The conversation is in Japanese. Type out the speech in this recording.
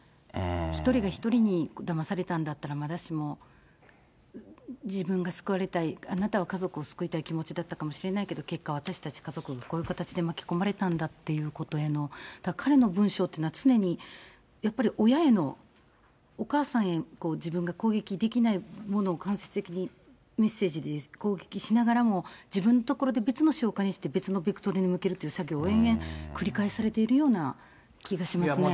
一人が一人にだまされたんだったらまだしも、自分が救われたい、あなたは家族を救いたい気持ちだったかもしれないけれども、結果、私たち家族がこういう形で巻き込まれたんだっていうことへの、彼の文章というのは、常にやっぱり親への、お母さんへの自分が攻撃できないものを間接的にメッセージで攻撃しながらも、自分のところで別のしょうかにして、別のベクトルに向ける作業を延々繰り返されてるような気がしますね。